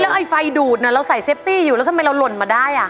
ไอ้ไฟดูดน่ะเราใส่เซฟตี้อยู่แล้วทำไมเราหล่นมาได้อ่ะ